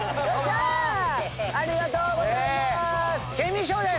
ありがとうございます。